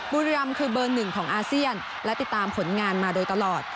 บุรีรำคือเบอร์หนึ่งของอาเซียนและติดตามผลงานมาโดยตลอด